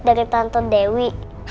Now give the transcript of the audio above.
dari tante dewi